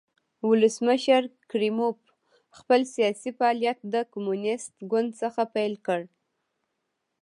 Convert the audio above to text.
ولسمشر کریموف خپل سیاسي فعالیت د کمونېست ګوند څخه پیل کړ.